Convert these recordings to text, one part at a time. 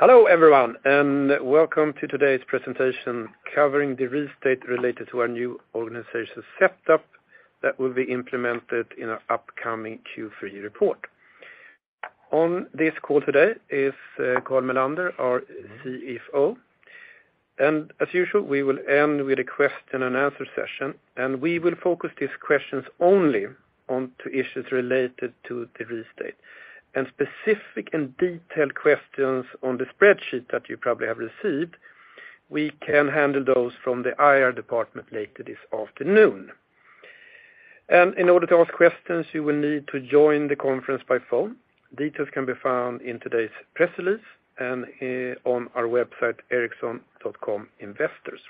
Hello everyone, and welcome to today's presentation covering the restatement related to our new organizational setup that will be implemented in our upcoming Q3 report. On this call today is Carl Mellander, our Chief Financial Officer. As usual, we will end with a question and answer session, and we will focus these questions only onto issues related to the restatement. Specific and detailed questions on the spreadsheet that you probably have received, we can handle those from the IR department later this afternoon. In order to ask questions, you will need to join the conference by phone. Details can be found in today's press release and on our website, ericsson.com/investors.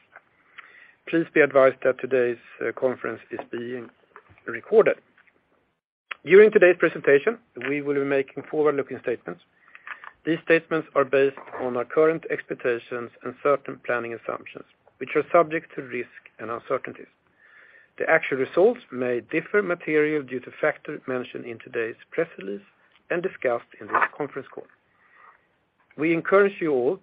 Please be advised that today's conference is being recorded. During today's presentation, we will be making forward-looking statements. These statements are based on our current expectations and certain planning assumptions, which are subject to risk and uncertainties. The actual results may differ materially due to factors mentioned in today's press release and discussed in this conference call. We encourage you all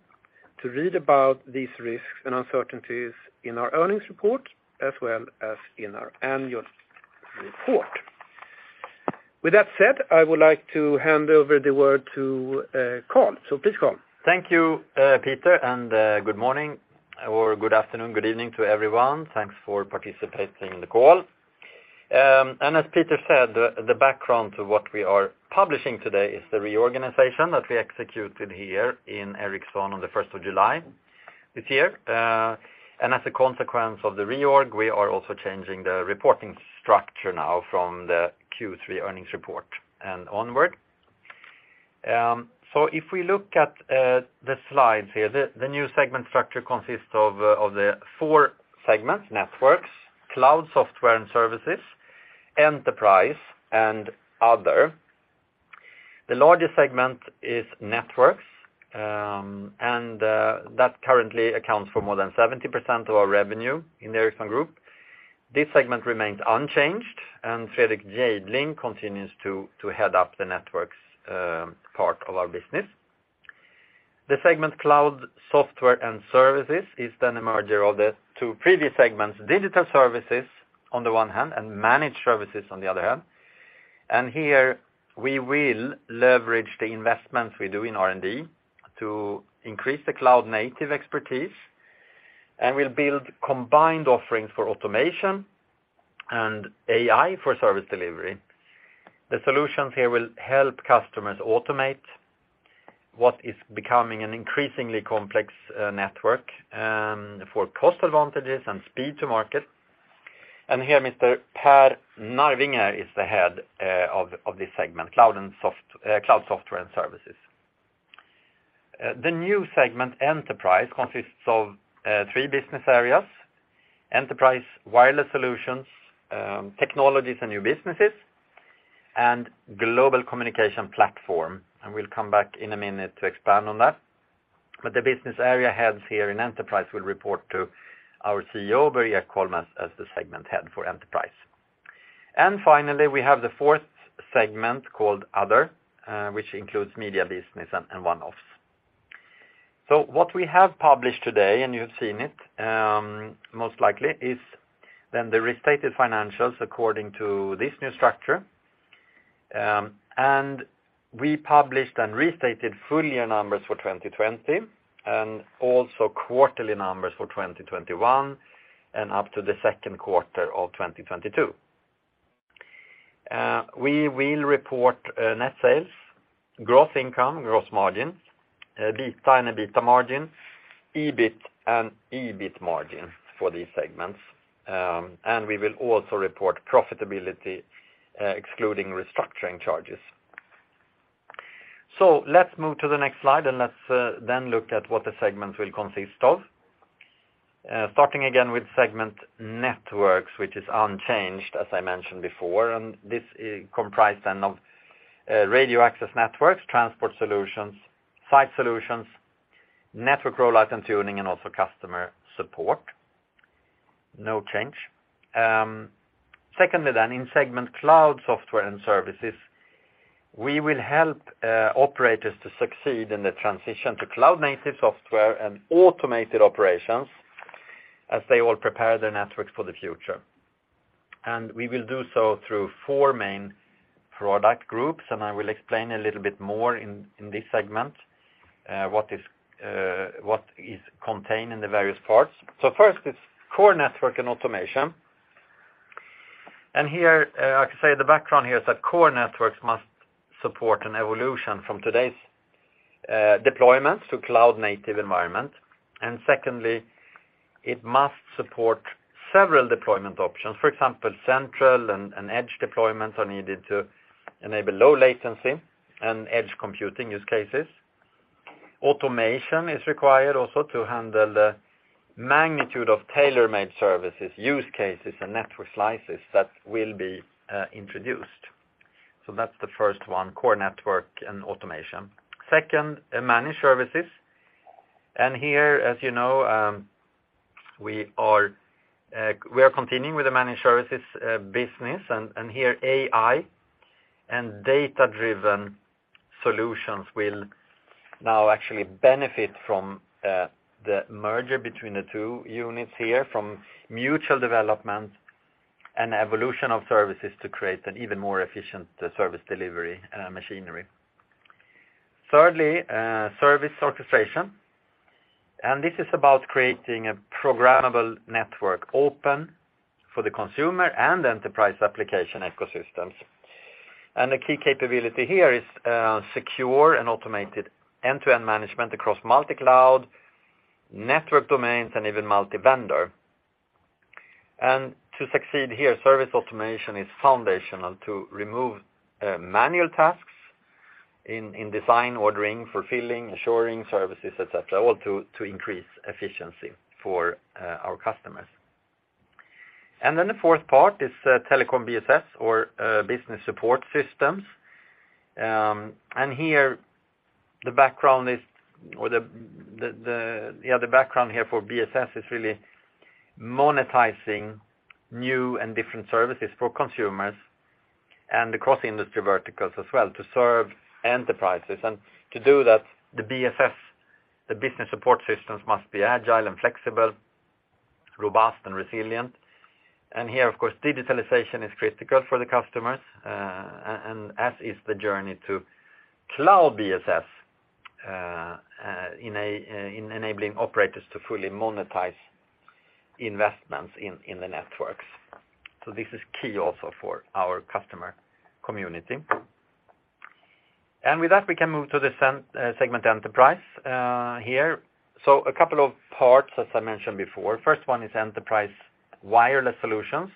to read about these risks and uncertainties in our earnings report, as well as in our annual report. With that said, I would like to hand over the word to, Carl. Please, Carl. Thank you, Peter, and good morning or good afternoon, good evening to everyone. Thanks for participating in the call. As Peter said, the background to what we are publishing today is the reorganization that we executed here in Ericsson on the first of July this year. As a consequence of the reorg, we are also changing the reporting structure now from the Q3 earnings report and onward. If we look at the slides here, the new segment structure consists of the four segments: Networks, Cloud Software and Services, Enterprise, and Other. The largest segment is Networks, and that currently accounts for more than 70% of our revenue in the Ericsson group. This segment remains unchanged, and Fredrik Jejdling continues to head up the Networks part of our business. The segment Cloud Software and Services is then a merger of the two previous segments, Digital Services on the one hand and Managed Services on the other hand. Here we will leverage the investments we do in R&D to increase the cloud-native expertise, and we'll build combined offerings for automation and AI for service delivery. The solutions here will help customers automate what is becoming an increasingly complex network for cost advantages and speed to market. Here, Mr. Per Narvinger is the head of this segment, Cloud Software and Services. The new segment, Enterprise, consists of three business areas, Enterprise Wireless Solutions, Technologies & New Businesses, and Global Communications Platform, and we'll come back in a minute to expand on that. The business area heads here in Enterprise will report to our Chief Executive Officer, Börje Ekholm, as the segment head for Enterprise. Finally, we have the fourth segment called Other, which includes media business and one-offs. What we have published today, and you've seen it, most likely, is then the restated financials according to this new structure, and we published and restated full year numbers for 2020, and also quarterly numbers for 2021 and up to the second quarter of 2022. We will report net sales, gross income, gross margins, EBITDA and EBITDA margin, EBIT, and EBIT margin for these segments. We will also report profitability excluding restructuring charges. Let's move to the next slide, and let's then look at what the segments will consist of. Starting again with segment Networks, which is unchanged, as I mentioned before. This is comprised of radio access networks, transport solutions, site solutions, network rollout and tuning, and also customer support. No change. Secondly, in segment Cloud Software and Services, we will help operators to succeed in the transition to cloud-native software and automated operations as they all prepare their networks for the future. We will do so through four main product groups, and I will explain a little bit more in this segment what is contained in the various parts. First, it's core network and automation. Here, I can say the background here is that core networks must support an evolution from today's deployments to cloud-native environment. Secondly, it must support several deployment options. For example, central and edge deployments are needed to enable low latency and edge computing use cases. Automation is required also to handle the magnitude of tailor-made services, use cases, and network slices that will be introduced. That's the first one, core network and automation. Second, Managed Services. Here, as you know, we are continuing with the managed services business and here AI and data driven solutions will now actually benefit from the merger between the two units here from mutual development and evolution of services to create an even more efficient service delivery machinery. Thirdly, service orchestration, and this is about creating a programmable network open for the consumer and enterprise application ecosystems. The key capability here is secure and automated end-to-end management across multi-cloud, network domains, and even multi-vendor. To succeed here, service automation is foundational to remove manual tasks in design, ordering, fulfilling, assuring services, et cetera, all to increase efficiency for our customers. Then the fourth part is telecom BSS or business support systems. Here the background for BSS is really monetizing new and different services for consumers and across industry verticals as well to serve enterprises. To do that, the BSS, the business support systems, must be agile and flexible, robust and resilient. Here, of course, digitalization is critical for the customers and as is the journey to cloud BSS in enabling operators to fully monetize investments in the networks. This is key also for our customer community. With that, we can move to the segment Enterprise, here. A couple of parts, as I mentioned before. First one is Enterprise Wireless Solutions.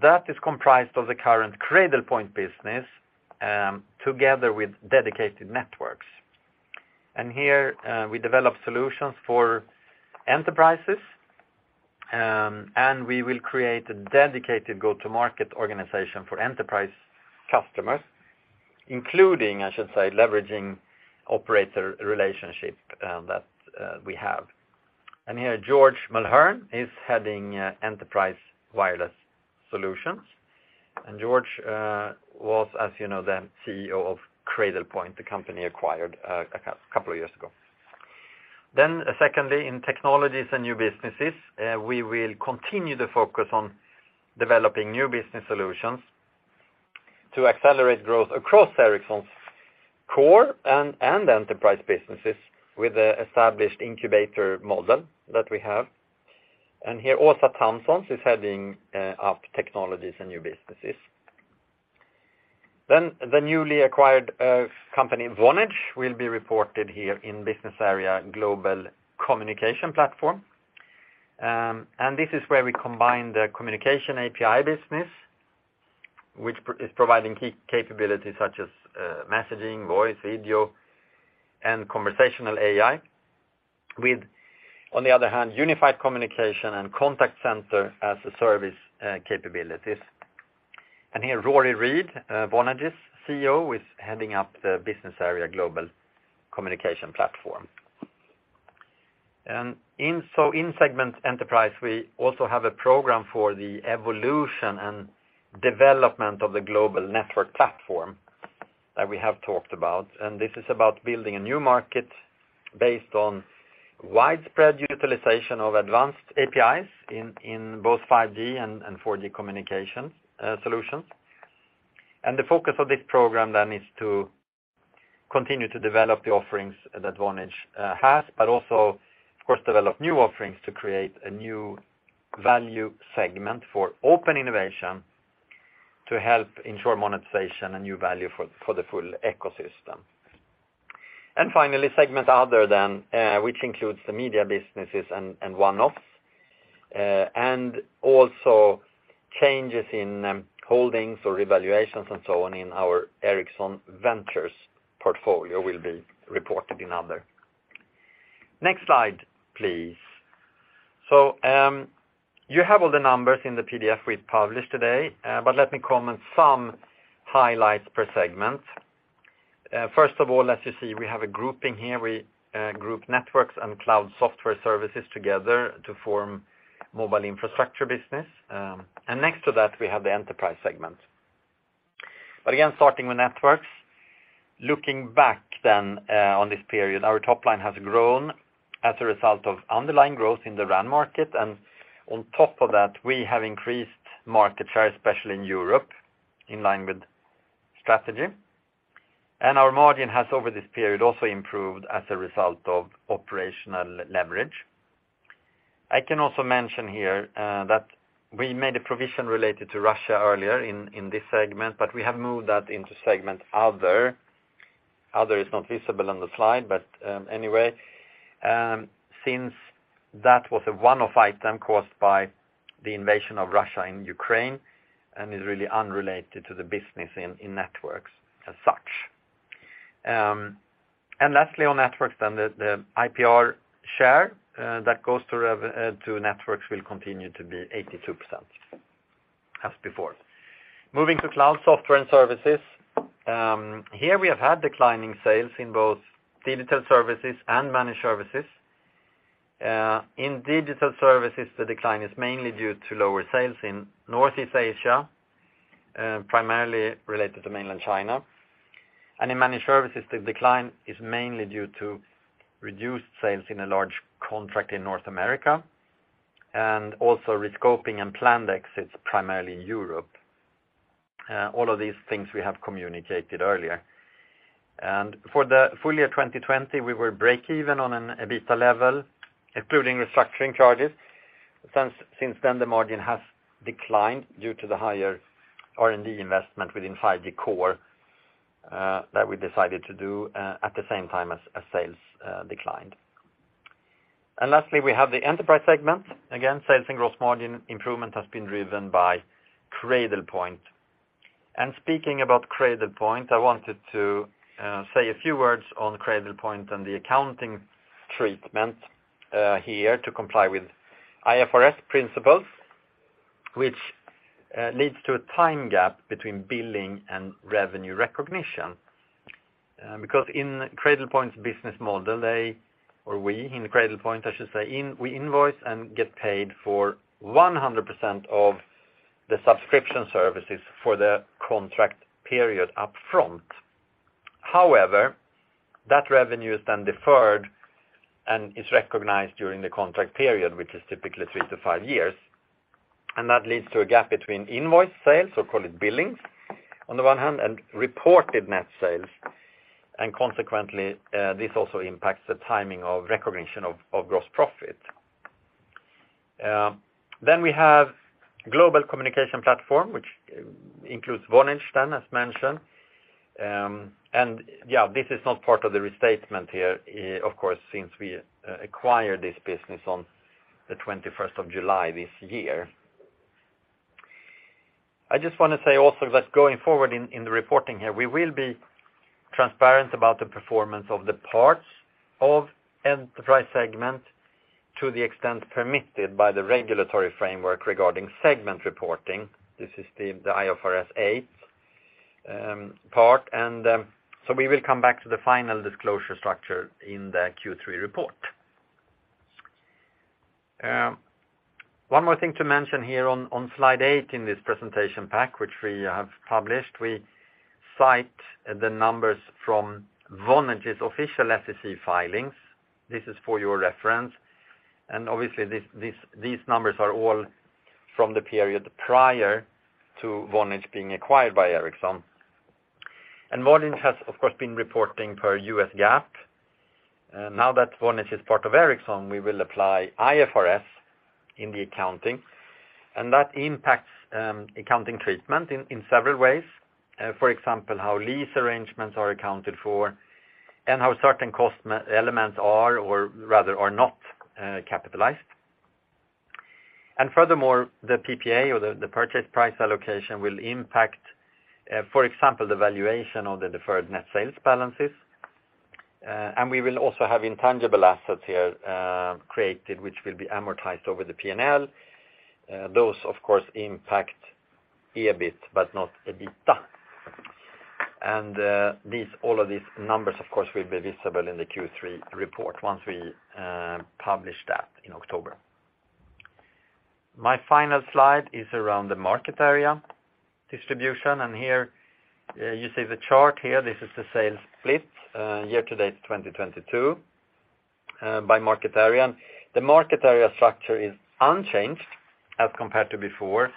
That is comprised of the current Cradlepoint business, together with dedicated networks. Here, we develop solutions for enterprises, and we will create a dedicated go-to-market organization for enterprise customers, including, I should say, leveraging operator relationship, that we have. Here, George Mulhern is heading Enterprise Wireless Solutions. George was, as you know, the Chie Executive Officer of Cradlepoint, the company acquired a couple of years ago. Secondly, in Technologies & New Businesses, we will continue to focus on developing new business solutions to accelerate growth across Ericsson's core and enterprise businesses with the established incubator model that we have. Here, Åsa Thomson is heading up Technologies and New Businesses. The newly acquired company, Vonage, will be reported here in business area Global Communications Platform. This is where we combine the communication API business, which is providing key capabilities such as messaging, voice, video, and conversational AI with, on the other hand, unified communication and contact center as a service capabilities. Here, Rory Read, Vonage's Chie Executive Officer, is heading up the business area Global Communications Platform. In segment Enterprise, we also have a program for the evolution and development of the Global Network Platform that we have talked about. This is about building a new market based on widespread utilization of advanced APIs in both 5G and 4G communication solutions. The focus of this program then is to continue to develop the offerings that Vonage has, but also of course, develop new offerings to create a new value segment for open innovation to help ensure monetization and new value for the full ecosystem. Finally, segment Other than which includes the media businesses and one-offs, and also changes in holdings or evaluations and so on in our Ericsson Ventures portfolio will be reported in Other. Next slide, please. You have all the numbers in the PDF we published today, but let me comment some highlights per segment. First of all, as you see, we have a grouping here. We group Networks and Cloud Software and Services together to form mobile infrastructure business. And next to that, we have the Enterprise segment. Again, starting with Networks, looking back then on this period, our top line has grown as a result of underlying growth in the RAN market. On top of that, we have increased market share, especially in Europe, in line with strategy. Our margin has over this period also improved as a result of operational leverage. I can also mention here that we made a provision related to Russia earlier in this segment, but we have moved that into segment Other. Other is not visible on the slide, but anyway since that was a one-off item caused by the Russian invasion of Ukraine and is really unrelated to the business in Networks as such. Lastly on Networks then, the IPR share that goes to Networks will continue to be 82%. As before. Moving to Cloud Software and Services, here we have had declining sales in both Digital Services and Managed Services. In digital services, the decline is mainly due to lower sales in Northeast Asia, primarily related to Mainland China. In managed services, the decline is mainly due to reduced sales in a large contract in North America, and also rescoping and planned exits, primarily in Europe. All of these things we have communicated earlier. For the full year 2020, we were breakeven on an EBITDA level, including restructuring charges. Since then the margin has declined due to the higher R&D investment within 5G Core, that we decided to do, at the same time as sales declined. Lastly, we have the Enterprise segment. Again, sales and gross margin improvement has been driven by Cradlepoint. Speaking about Cradlepoint, I wanted to say a few words on Cradlepoint and the accounting treatment here to comply with IFRS principles, which leads to a time gap between billing and revenue recognition. Because in Cradlepoint's business model, we invoice and get paid for 100% of the subscription services for the contract period up front. However, that revenue is then deferred and is recognized during the contract period, which is typically three to five years. That leads to a gap between invoice sales, so call it billings, on the one hand, and reported net sales. Consequently, this also impacts the timing of recognition of gross profit. Then we have Global Communications Platform, which includes Vonage, as mentioned. Yeah, this is not part of the restatement here, of course, since we acquired this business on the July 21st, this year. I just wanna say also that going forward in the reporting here, we will be transparent about the performance of the parts of Enterprise segment to the extent permitted by the regulatory framework regarding segment reporting. This is the IFRS 8 part. We will come back to the final disclosure structure in the Q3 report. One more thing to mention here on slide eight in this presentation pack which we have published, we cite the numbers from Vonage's official SEC filings. This is for your reference. Obviously, these numbers are all from the period prior to Vonage being acquired by Ericsson. Vonage has, of course, been reporting per US GAAP. Now that Vonage is part of Ericsson, we will apply IFRS in the accounting, and that impacts accounting treatment in several ways. For example, how lease arrangements are accounted for and how certain cost elements are, or rather are not, capitalized. Furthermore, the PPA or the purchase price allocation will impact, for example, the valuation of the deferred net sales balances. We will also have intangible assets here created, which will be amortized over the P&L. Those, of course, impact EBIT but not EBITDA. These, all of these numbers, of course, will be visible in the Q3 report once we publish that in October. My final slide is around the market area distribution, and here you see the chart here. This is the sales split, year to date 2022, by market area. The market area structure is unchanged as compared to before,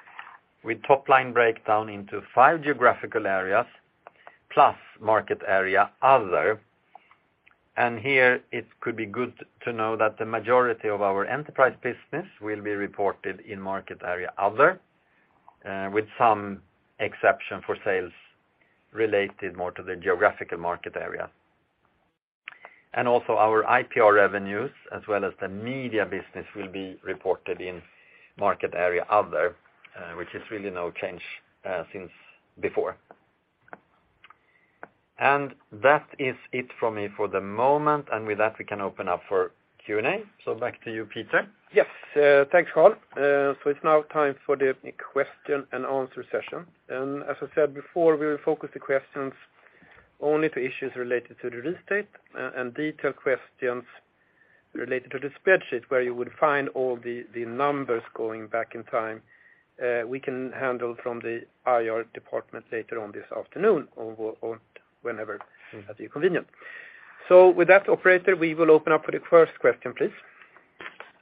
with top line breakdown into five geographical areas plus market area other. Here it could be good to know that the majority of our enterprise business will be reported in market area other, with some exception for sales related more to the geographical market area. Also our IPR revenues as well as the media business will be reported in market area other, which is really no change, since before. That is it from me for the moment. With that, we can open up for Q&A. Back to you, Peter. Yes, thanks, Carl. It's now time for the question and answer session. As I said before, we will focus the questions only to issues related to the restatement, and detailed questions related to the spreadsheet, where you would find all the numbers going back in time. We can handle from the IR department later on this afternoon or whenever seems at your convenience. With that operator, we will open up for the first question, please.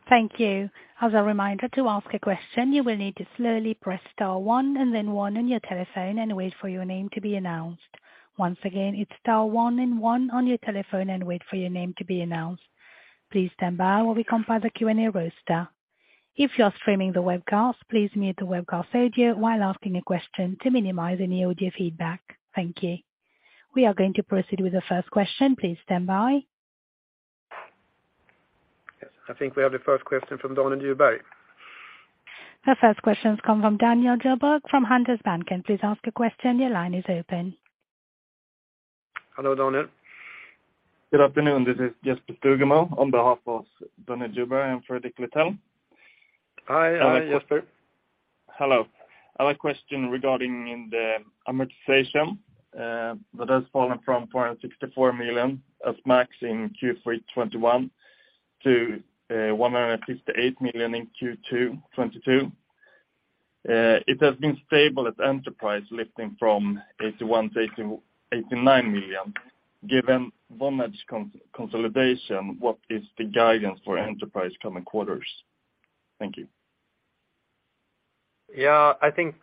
Thank you. As a reminder to ask a question, you will need to slowly press star one and then one on your telephone and wait for your name to be announced. Once again, it's star one and one on your telephone and wait for your name to be announced. Please stand by while we compile the Q&A roster. If you're streaming the webcast, please mute the webcast audio while asking a question to minimize any audio feedback. Thank you. We are going to proceed with the first question. Please stand by. Yes, I think we have the first question from Daniel Daniel Djurberg. The first question comes from Daniel Daniel Djurberg from Handelsbanken. Please ask your question. Your line is open. Hello, Daniel. Good afternoon, this is Jasper Stugemo, on behalf of Daniel Djurberg and Fredrik Lithell. Hi, Jasper. Hello. I have a question regarding the amortization that has fallen from 464 million as much in Q3 2021 to 158 million in Q2 2022. It has been stable at Enterprise, lifting from 81 million to 88 million-89 million. Given Vonage consolidation, what is the guidance for Enterprise coming quarters? Thank you. Yeah. I think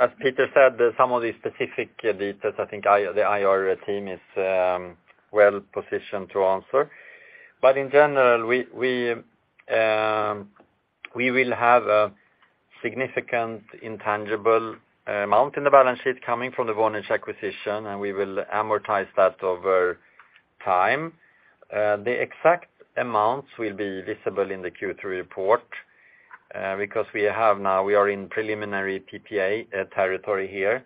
as Peter said, some of the specific details, I think the Investor Relations team is well-positioned to answer. In general, we will have a significant intangible amount in the balance sheet coming from the Vonage acquisition, and we will amortize that over time. The exact amounts will be visible in the Q3 report, because we are in preliminary PPA territory here,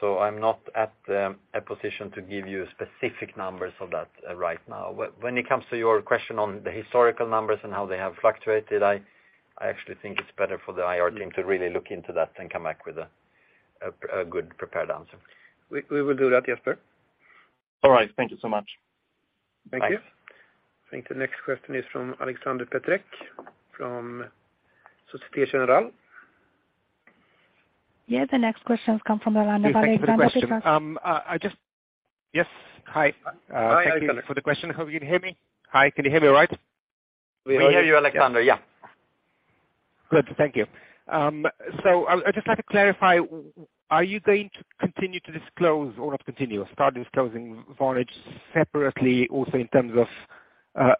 so I'm not at a position to give you specific numbers of that right now. When it comes to your question on the historical numbers and how they have fluctuated, I actually think it's better for the IR team to really look into that and come back with a good prepared answer. We will do that, Jasper. All right. Thank you so much. Thanks. Thank you. I think the next question is from Alexander Petrec, from Société Générale. Yeah, the next question come from the line of Alexander Petrek. Yes, thank you for the question. I just. Yes. Hi. Hi, Alexander. Thank you for the question. Hope you can hear me. Hi, can you hear me all right? We hear you, Alexander. Yeah. Good. Thank you. I just like to clarify, are you going to continue to disclose, or not continue, start disclosing Vonage separately also in terms of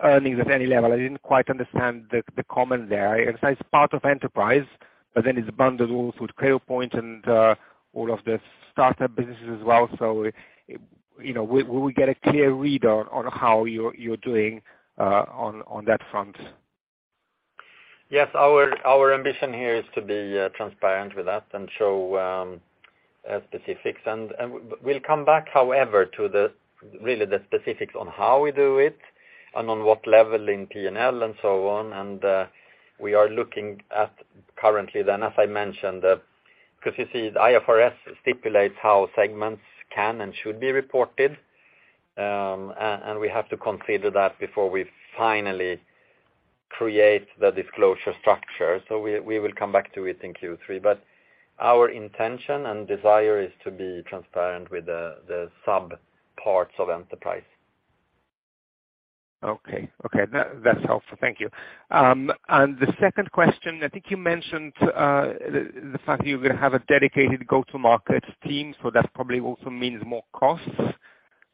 earnings at any level? I didn't quite understand the comment there. I understand it's part of Enterprise, but then it's bundled also with Cradlepoint and all of the startup businesses as well. You know, will we get a clear read on how you're doing on that front? Yes. Our ambition here is to be transparent with that and show specifics. We'll come back, however, to really the specifics on how we do it and on what level in P&L and so on. We are looking at currently then, as I mentioned, 'cause you see IFRS stipulates how segments can and should be reported, and we have to consider that before we finally create the disclosure structure. We will come back to it in Q3. Our intention and desire is to be transparent with the sub parts of Enterprise. Okay. That's helpful. Thank you. The second question, I think you mentioned the fact that you're gonna have a dedicated go-to-market team, so that probably also means more costs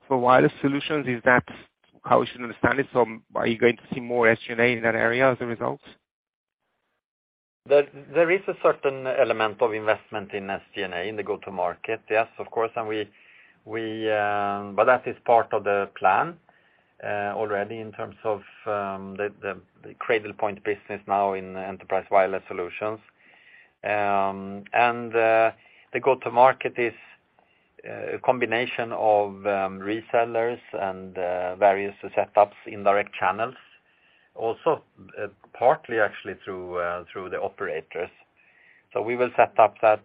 for wireless solutions. Is that how we should understand it? Are you going to see more SG&A in that area as a result? There is a certain element of investment in SG&A, in the go-to-market. Yes, of course. That is part of the plan already in terms of the Cradlepoint business now in Enterprise Wireless Solutions. The go-to-market is a combination of resellers and various setups, indirect channels, also partly actually through the operators. We will set up that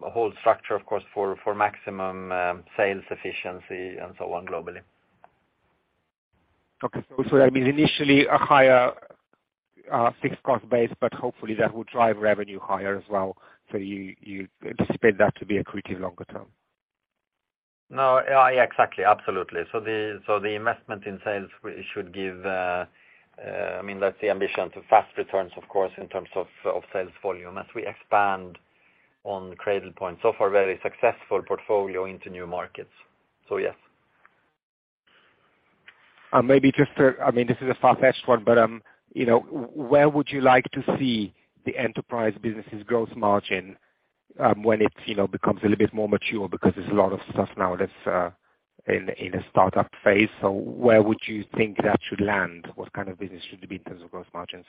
whole structure, of course, for maximum sales efficiency and so on globally. Okay. That means initially a higher fixed cost base, but hopefully that will drive revenue higher as well, so you anticipate that to be accretive longer term. No. Yeah, exactly, absolutely. The investment in sales R&D should give, I mean, that's the ambition, to fast returns of course in terms of sales volume as we expand on Cradlepoint. So far very successful portfolio into new markets. Yes. Maybe just, I mean this is a far-fetched one, but, you know, where would you like to see the Enterprise business' gross margin, when it, you know, becomes a little bit more mature because there's a lot of stuff now that's in a startup phase. Where would you think that should land? What kind of business should it be in terms of gross margins?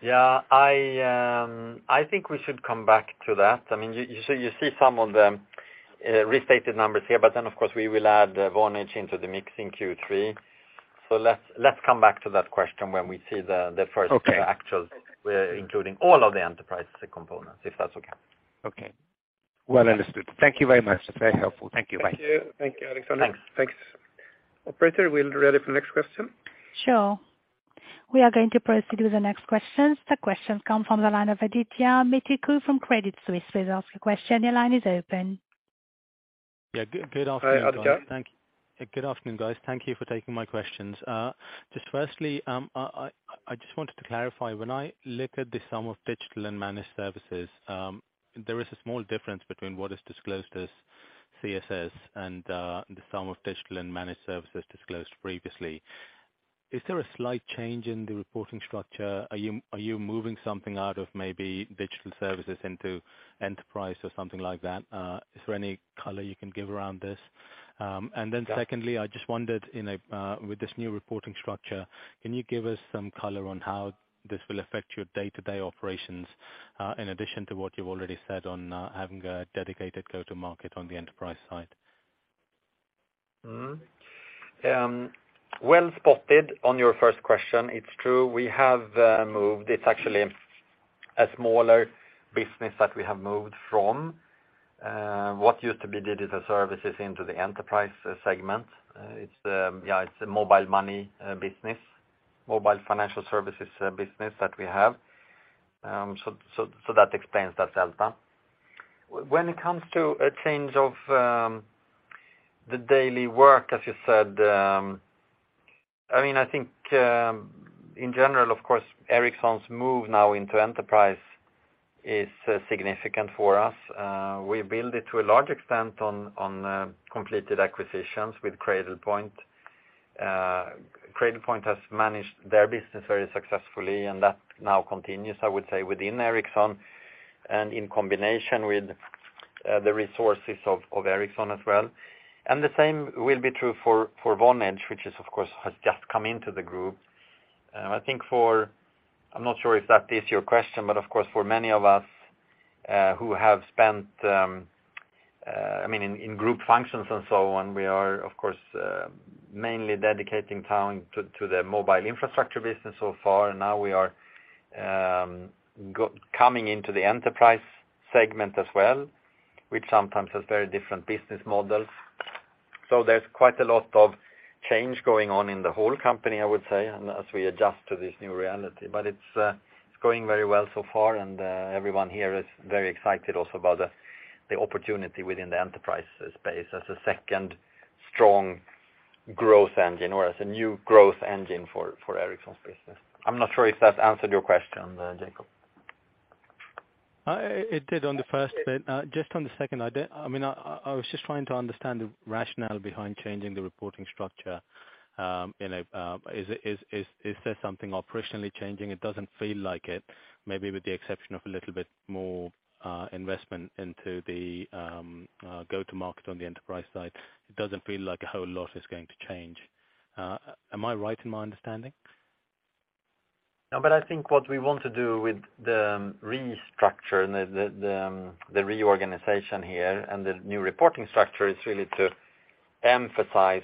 Yeah. I think we should come back to that. I mean, you see some of the restated numbers here, but then of course we will add Vonage into the mix in Q3. Let's come back to that question when we see the first. Okay Actual, including all of the Enterprise components, if that's okay. Okay. Well understood. Thank you very much. That's very helpful. Thank you. Bye. Thank you. Thank you, Alexander. Thanks. Thanks. Operator, we're ready for the next question. Sure. We are going to proceed with the next question. The question come from the line of Adithya Metuku from Credit Suisse. Please ask your question. Your line is open. Yeah. Good afternoon. Hi, Adithya. Good afternoon, guys. Thank you for taking my questions. Just firstly, I just wanted to clarify, when I look at the sum of digital and managed services, there is a small difference between what is disclosed as CSS and, the sum of digital and managed services disclosed previously. Is there a slight change in the reporting structure? Are you moving something out of maybe digital services into Enterprise or something like that? Is there any color you can give around this? And then secondly, I just wondered, with this new reporting structure, can you give us some color on how this will affect your day-to-day operations, in addition to what you've already said on, having a dedicated go-to-market on the enterprise side? Well spotted on your first question. It's true. We have moved. It's actually a smaller business that we have moved from what used to be Digital Services into the Enterprise segment. It's the mobile money business, mobile financial services business that we have. So that explains that delta. When it comes to a change of the daily work, as you said, I mean, I think, in general, of course, Ericsson's move now into Enterprise is significant for us. We build it to a large extent on completed acquisitions with Cradlepoint. Cradlepoint has managed their business very successfully, and that now continues, I would say, within Ericsson and in combination with the resources of Ericsson as well. The same will be true for Vonage, which, of course, has just come into the group. I think I'm not sure if that is your question, but of course, for many of us who have spent, I mean, in group functions and so on, we are of course mainly dedicating time to the mobile infrastructure business so far. Now we are coming into the Enterprise segment as well, which sometimes has very different business models. There's quite a lot of change going on in the whole company, I would say, and as we adjust to this new reality. It's going very well so far, and everyone here is very excited also about the opportunity within the Enterprise space as a second strong growth engine or as a new growth engine for Ericsson's business. I'm not sure if that's answered your question, Adithya. It did on the first bit. Just on the second, I mean, I was just trying to understand the rationale behind changing the reporting structure. You know, is there something operationally changing? It doesn't feel like it, maybe with the exception of a little bit more investment into the go-to-market on the enterprise side. It doesn't feel like a whole lot is going to change. Am I right in my understanding? No, but I think what we want to do with the restructure and the reorganization here and the new reporting structure is really to emphasize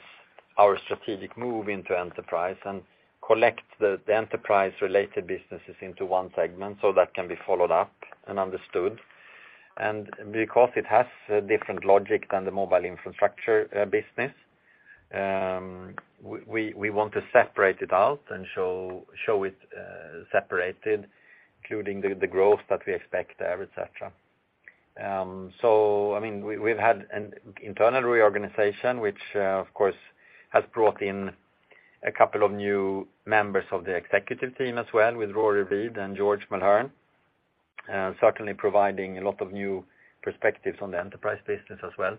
our strategic move into Enterprise and collect the Enterprise-related businesses into one segment so that can be followed up and understood. Because it has a different logic than the mobile infrastructure business, we want to separate it out and show it separated, including the growth that we expect there, et cetera. I mean, we've had an internal reorganization, which, of course, has brought in a couple of new members of the executive team as well, with Rory Read and George Mulhern, certainly providing a lot of new perspectives on the Enterprise business as well.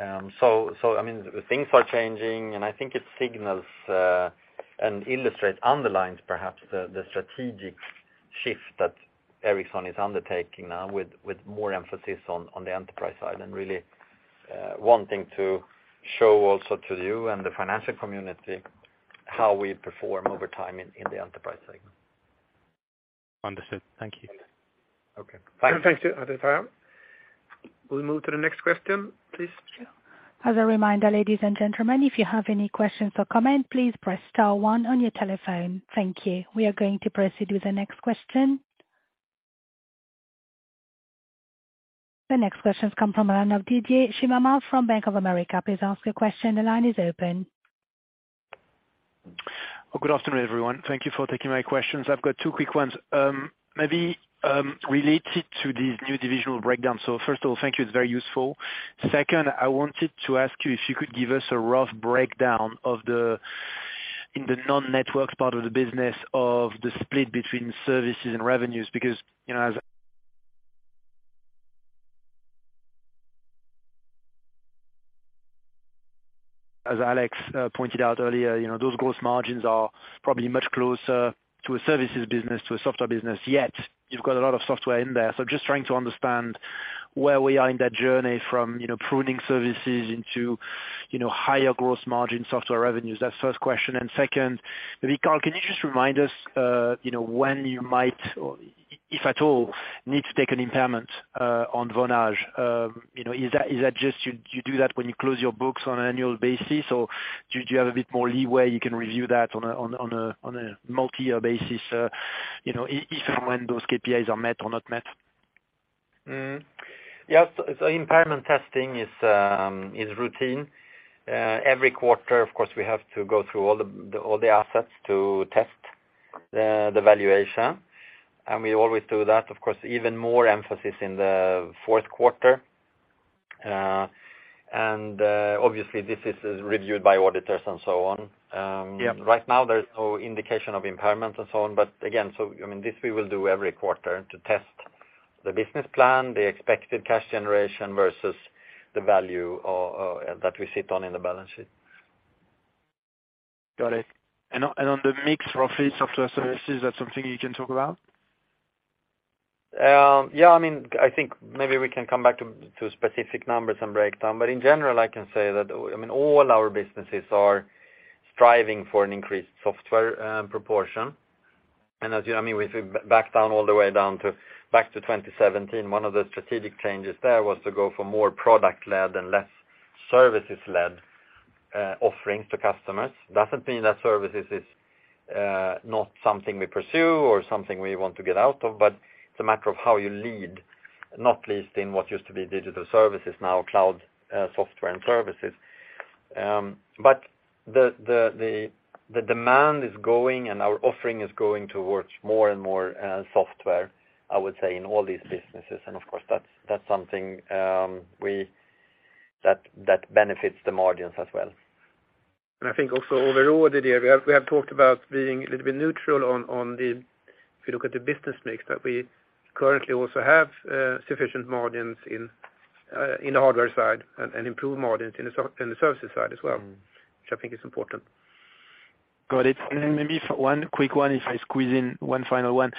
I mean, things are changing, and I think it signals and illustrates, underlines perhaps the strategic shift that Ericsson is undertaking now with more emphasis on the Enterprise side and really wanting to show also to you and the financial community how we perform over time in the Enterprise segment. Understood. Thank you. Okay. Bye. Thank you. We'll move to the next question, please. As a reminder, ladies and gentlemen, if you have any questions or comment, please press star one on your telephone. Thank you. We are going to proceed with the next question. The next question comes from the line of Didier Scemama from Bank of America. Please ask your question. The line is open. Good afternoon, everyone. Thank you for taking my questions. I've got two quick ones. Maybe related to the new divisional breakdown. First of all, thank you, it's very useful. Second, I wanted to ask you if you could give us a rough breakdown of the, in the non-network part of the business of the split between services and revenues. Because, you know, as Alex pointed out earlier, you know, those gross margins are probably much closer to a services business, to a software business, yet you've got a lot of software in there. Just trying to understand where we are in that journey from, you know, pruning services into, you know, higher gross margin software revenues. That's first question. Second, maybe Carl, can you just remind us, you know, when you might or if at all need to take an impairment on Vonage? You know, is that just you do that when you close your books on an annual basis, or do you have a bit more leeway you can review that on a multi-year basis, you know, if and when those KPIs are met or not met? Impairment testing is routine. Every quarter, of course, we have to go through all the assets to test the valuation, and we always do that, of course, even more emphasis in the fourth quarter. Obviously this is reviewed by auditors and so on. Yeah. Right now there's no indication of impairment and so on. Again, I mean, this we will do every quarter to test the business plan, the expected cash generation versus the value, that we sit on in the balance sheet. Got it. On the Cloud Software and Services, is that something you can talk about? Yeah, I mean, I think maybe we can come back to specific numbers and breakdown, but in general, I can say that, I mean, all our businesses are striving for an increased software proportion. I mean, if we back to 2017, one of the strategic changes there was to go for more product-led and less services-led offerings to customers. It doesn't mean that services is not something we pursue or something we want to get out of, but it's a matter of how you lead, not least in what used to be Digital Services, now Cloud Software and Services. But the demand is going and our offering is going towards more and more software, I would say, in all these businesses. Of course, that's something we... That benefits the margins as well. I think also overall, Didier, we have talked about being a little bit neutral on the business mix that we currently also have, sufficient margins in the hardware side and improved margins in the services side as well, which I think is important. Got it. Then maybe one quick one, if I squeeze in one final one.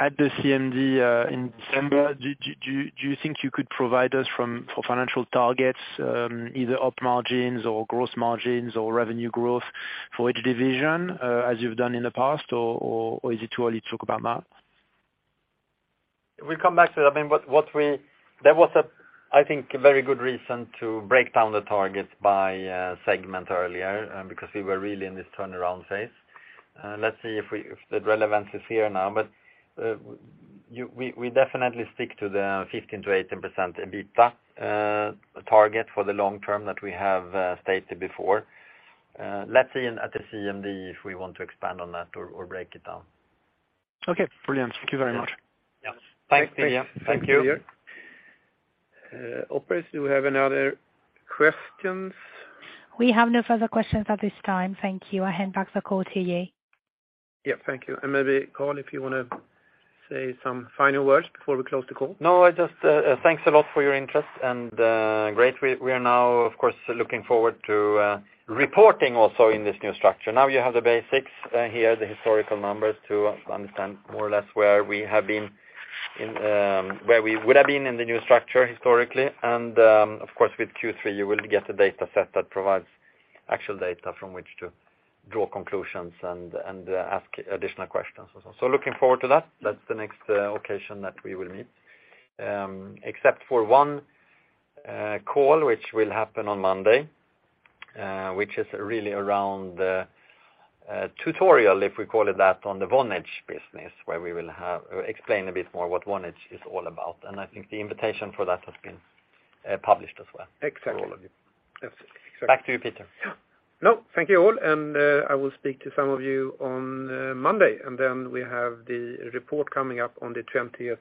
At the CMD in December, do you think you could provide us for financial targets, either op margins or gross margins or revenue growth for each division, as you've done in the past or is it too early to talk about that? We'll come back to that. I mean, there was, I think, a very good reason to break down the targets by segment earlier, because we were really in this turnaround phase. Let's see if the relevance is here now. We definitely stick to the 15%-18% EBITDA target for the long term that we have stated before. Let's see at the CMD if we want to expand on that or break it down. Okay, brilliant. Thank you very much. Yeah. Bye, Didier. Thank you. Thank you. Operators, do we have any other questions? We have no further questions at this time. Thank you. I hand back the call to you. Yeah, thank you. Maybe, Carl, if you wanna say some final words before we close the call. No, I just, thanks a lot for your interest and, great. We are now, of course, looking forward to reporting also in this new structure. Now you have the basics, here, the historical numbers to understand more or less where we have been in, where we would have been in the new structure historically. Of course, with Q3, you will get a dataset that provides actual data from which to draw conclusions and ask additional questions as well. Looking forward to that. That's the next occasion that we will meet. Except for one call, which will happen on Monday, which is really around the tutorial, if we call it that, on the Vonage business, or explain a bit more what Vonage is all about. I think the invitation for that has been published as well. Exactly. for all of you. That's it. Exactly. Back to you, Peter. Yeah. No, thank you all. I will speak to some of you on Monday, and then we have the report coming up on the twentieth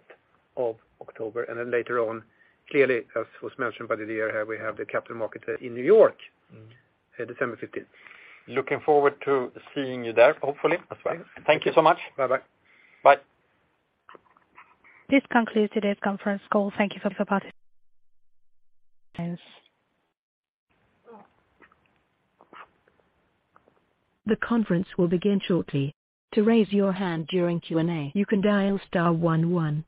of October. Then later on, clearly, as was mentioned by Didier, we have the capital markets in New York at December fifteenth. Looking forward to seeing you there, hopefully as well. Thank you so much. Bye-bye. Bye. This concludes today's conference call. Thank you for participating. The conference will begin shortly. To raise your hand during Q&A, you can dial star one one.